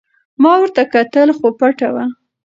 ما ورته کتل خو پټه وه.